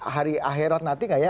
hari akhirat nanti gak ya